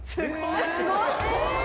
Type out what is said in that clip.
・すごい！